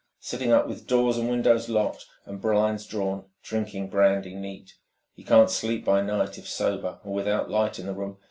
Sitting up with doors and windows locked and blinds drawn, drinking brandy neat. He can't sleep by night if sober, or without 'light in the room.